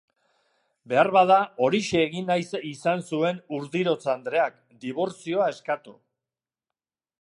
Beharbada, horixe egin nahi izan zuen Urdirotz andreak, dibortzioa eskatu.